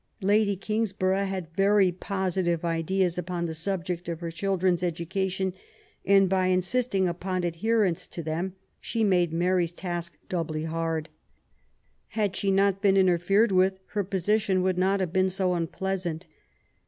Lady Kings borough had very positive ideas upon the subject of her . children's education, and by insisting upon adherence to them she made Mary's task doubly hard. Had she not been interfered with, her position would not have been so unpleasant.